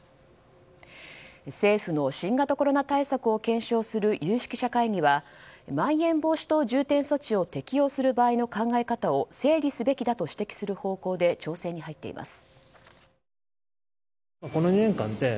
政府の新型コロナ対策を検証する有識者会議はまん延防止等重点措置を適用する場合の考え方を整理すべきだと指摘する方向で調整に入っています。